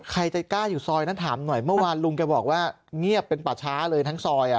ใครใจกล้าอยู่ซอยนั้นถามหน่อยเมื่อวานลุงแกบอกว่าเงียบเป็นป่าช้าเลยทั้งซอย